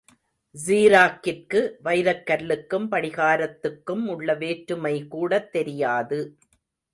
ஸீராக்கிற்கு வைரக் கல்லுக்கும் படிகாரத்துக்கும் உள்ள வேற்றுமை கூடத் தெரியாது.